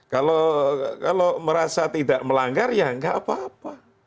kalau merasa tidak melanggar ya nggak apa apa